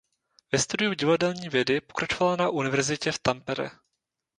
Ve studiu divadelní vědy pokračovala na Univerzitě v Tampere.